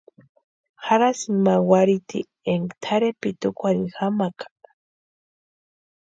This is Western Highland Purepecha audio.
¿Jarhasïnki ma warhiti énka tʼarhepiti úkwarhini jamaaka?